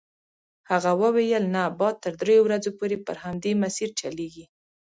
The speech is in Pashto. هغه وویل نه باد تر دریو ورځو پورې پر همدې مسیر چلیږي.